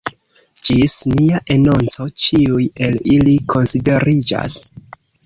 Ĝis nia anonco ĉiuj el ili konsideriĝas.